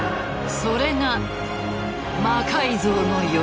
それが「魔改造の夜」だ。